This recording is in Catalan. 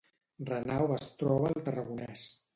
Renau es troba al Tarragonès